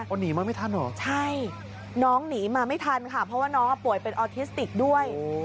หนีมาไม่ทันเหรอใช่น้องหนีมาไม่ทันค่ะเพราะว่าน้องป่วยเป็นออทิสติกด้วย